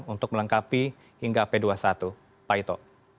untuk melengkapi hingga p dua puluh satu pak ito